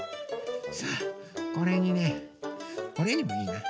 さあこれにねオレンジいいな。